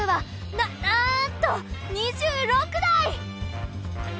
なんと２６台！